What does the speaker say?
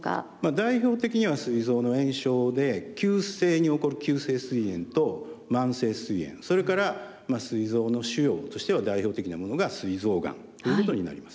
代表的にはすい臓の炎症で急性に起こる急性すい炎と慢性すい炎それからすい臓の腫瘍としては代表的なものがすい臓がんということになります。